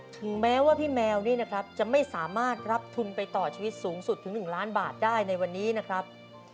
ถึงแม้ว่าพี่แมวนี่นะครับจะไม่สามารถรับทุนไปต่อชีวิตสูงสุดถึง๑ล้านบาทได้ในวันนี้นะครับ